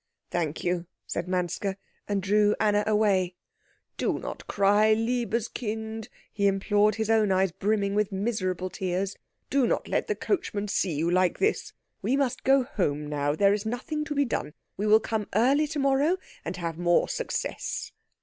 "Thank you," said Manske, and drew Anna away. "Do not cry, liebes Kind," he implored, his own eyes brimming with miserable tears. "Do not let the coachman see you like this. We must go home now. There is nothing to be done. We will come early to morrow, and have more success."